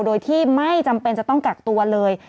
โดยที่ไม่จำเป็นจะต้องกักตัวเลย